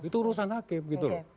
itu urusan hakim gitu loh